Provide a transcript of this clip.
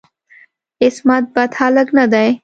عصمت بد هلک نه دی.